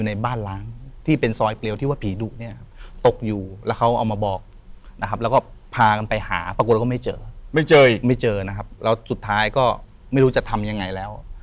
ไม่เจออีกไม่เจอนะครับแล้วสุดท้ายก็ไม่รู้จะทำยังไงแล้ว